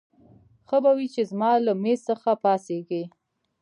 ښه به وي چې زما له مېز څخه پاڅېږې.